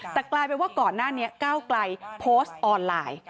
แต่กลายเป็นว่าก่อนหน้านี้ก้าวไกลโพสต์ออนไลน์